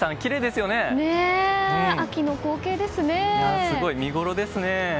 すごい見ごろですね。